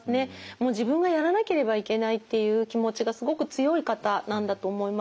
もう自分がやらなければいけないっていう気持ちがすごく強い方なんだと思います。